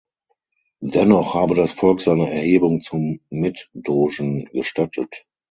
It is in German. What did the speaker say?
Dennoch habe das Volk seine Erhebung zum Mitdogen gestattet.